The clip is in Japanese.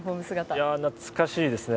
懐かしいですね。